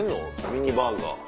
ミニバーガー。